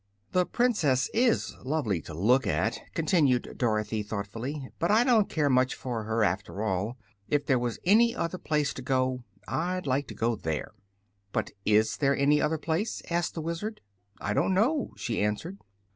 "The Princess is lovely to look at," continued Dorothy, thoughtfully; "but I don't care much for her, after all. If there was any other place to go, I'd like to go there." "But is there any other place?" asked the Wizard. "I don't know," she answered.